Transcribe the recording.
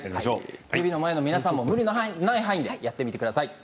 テレビの前の皆さんも無理のない範囲でやってみてください。